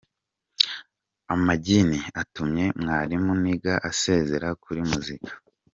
Amajyini atumye Mwarimu Niga asezera kuri muzika